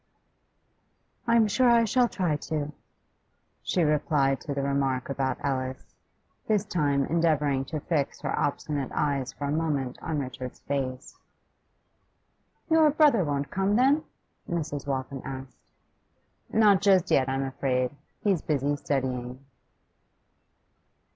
'I'm sure I shall try to,' she replied to the remark about Alice, this time endeavouring to fix her obstinate eyes for a moment on Richard's face. 'Your brother won't come, then?' Mrs. Waltham asked. 'Not just yet, I'm afraid. He's busy studying.